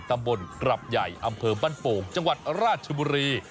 ตำบลกรับใหญ่อำเภอบ้านโป่งจังหวัดราชบุรี